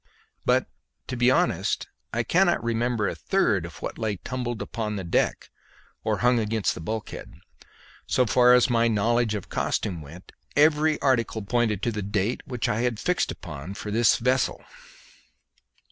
But, to be honest, I cannot remember a third of what lay tumbled upon the deck or hung against the bulkhead. So far as my knowledge of costume went, every article pointed to the date which I had fixed upon for this vessel.